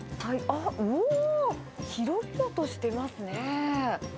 あっ、おお、広々としてますね。